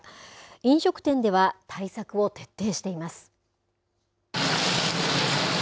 飲食店では対策を徹底しています。